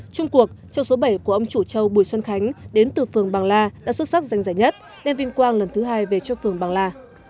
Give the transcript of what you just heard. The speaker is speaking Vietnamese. trung cuộc châu số bảy của ông chủ châu bùi xuân khánh đến từ phường bằng la đã xuất sắc danh giải nhất đem vinh quang lần thứ hai về cho phường bằng la